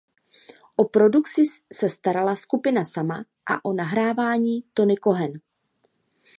O produkci se starala skupina sama a o nahrávání Tony Cohen.